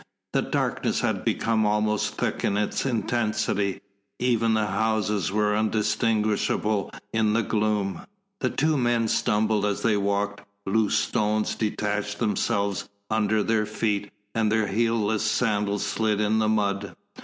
The darkness had become almost thick in its intensity, even the houses were undistinguishable in the gloom. The two men stumbled as they walked, loose stones detached themselves under their feet and their heelless sandals slid in the mud.